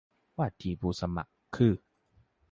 ว่าที่ผู้สมัครคือ